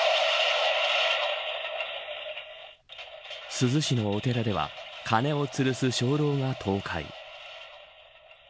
珠洲市のお寺では鐘をつるす鐘楼が倒壊。